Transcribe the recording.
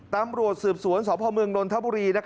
ตำรวจสืบสวนสพโรนทัพบุรี